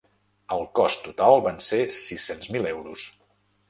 El cost total van ser sis-cents mil euros.